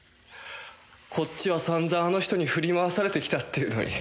こっちは散々あの人に振り回されてきたっていうのに。